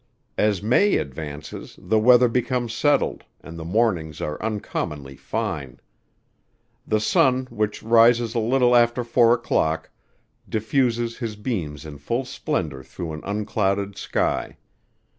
As May advances, the weather becomes settled, and the mornings are uncommonly fine. The sun, which rises a little after four o'clock, diffuses his beams in full splendor through an unclouded sky.